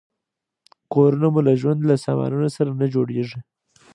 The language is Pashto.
کورونه مو له ژوند له سامانونو سره نه جوړیږي.